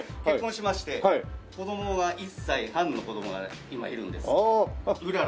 結婚しまして子供が１歳半の子供が今いるんです。